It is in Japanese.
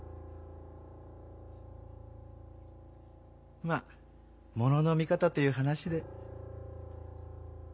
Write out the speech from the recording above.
まあ物の見方という話で。